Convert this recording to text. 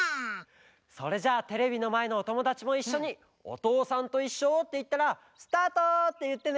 それじゃあテレビのまえのおともだちもいっしょに「おとうさんといっしょ」っていったら「スタート！」っていってね。